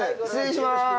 失礼します。